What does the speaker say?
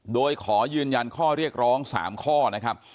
โดยขอยืนยันข้อเรียกร้อง๓ข้อนะครับ